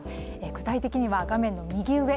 具体的には、画面の右上